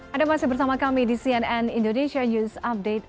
ada masih bersama kami di cnn indonesia news update